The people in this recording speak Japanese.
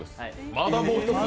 まだもう１つ。